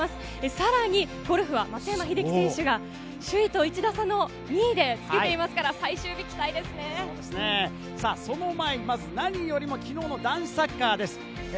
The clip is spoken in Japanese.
さらにゴルフは松山英樹選手が首位と一打差の２位でつけていますから、最終日、その前に何よりも昨日の男子サッカーです。